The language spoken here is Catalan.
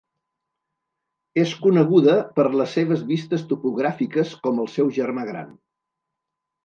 És coneguda per les seves vistes topogràfiques com el seu germà gran.